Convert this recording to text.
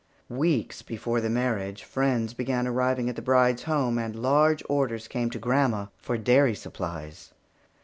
Weeks before the marriage day, friends began arriving at the bride's home, and large orders came to grandma for dairy supplies.